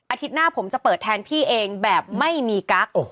หน้าผมจะเปิดแทนพี่เองแบบไม่มีกั๊ก